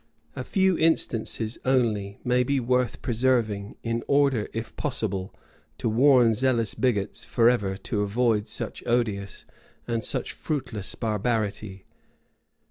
A few instances only may be worth preserving, in order, if possible, to warn zealous bigots forever to avoid such odious and such fruitless barbarity.